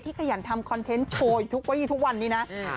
ขยันทำคอนเทนต์โชว์อีกทุกวีทุกวันนี้นะ